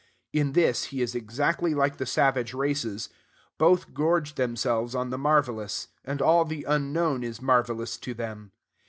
In this, he is exactly like the savage races. Both gorge themselves on the marvelous; and all the unknown is marvelous to them.